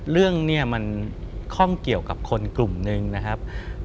เรื่องนี้มันข้องเกี่ยวกับคนกลุ่มหนึ่งนะครับ